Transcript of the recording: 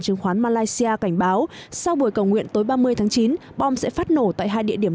chứng khoán malaysia cảnh báo sau buổi cầu nguyện tối ba mươi tháng chín bom sẽ phát nổ tại hai địa điểm